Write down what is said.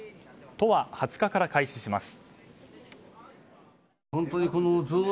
都は２０日から開始します。